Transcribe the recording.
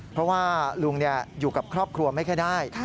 เพราะว่าลุงอยู่กับครอบครัวไม่ค่อยได้